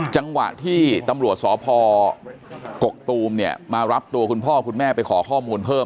จังหวะที่ตำรวจสพกกตูมเนี่ยมารับตัวคุณพ่อคุณแม่ไปขอข้อมูลเพิ่ม